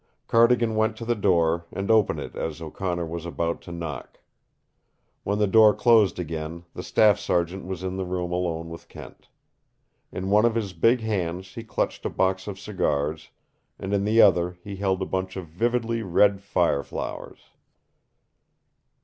Cardigan went to the door and opened it as O'Connor was about to knock. When the door closed again, the staff sergeant was in the room alone with Kent. In one of his big hands he clutched a box of cigars, and in the other he held a bunch of vividly red fire flowers.